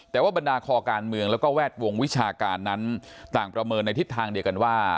แต่ว่าบรรดาคอการเมืองแล้วก็แวดวงวิชาการนั้นต่างประเมินในทิศทางเดียวกันว่า